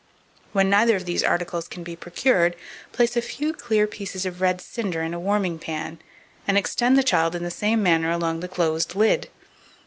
When neither of these articles can be procured, put a few clear pieces of red cinder in a warming pan, and extend the child in the same manner along the closed lid.